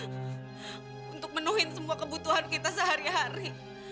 kita harus menuhin semua kebutuhan kita sehari hari